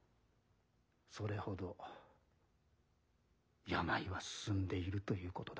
それほど病は進んでいるということだ。